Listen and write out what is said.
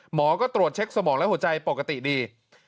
หมอก็ตรวจเช็คสมองและหัวใจปกติดี